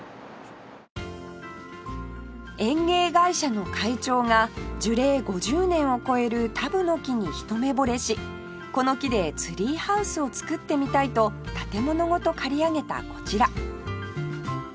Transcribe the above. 園芸会社の会長が樹齢５０年を超えるタブノキに一目ぼれし「この木でツリーハウスを造ってみたい」と建物ごと借り上げたこちら